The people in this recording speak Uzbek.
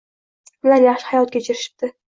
Ular yaxshi hayot kechirishibdi